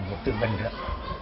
một điều tự bình thật